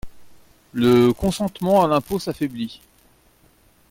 Le consentement à l’impôt s’affaiblit.